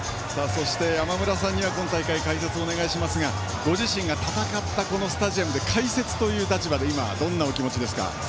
山村さんには今大会解説をお願いしますがご自身が戦ったこのスタジアム解説という立場で今、どんなお気持ちですか。